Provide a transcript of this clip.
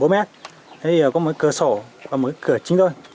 có một cái cửa sổ và một cái cửa chính thôi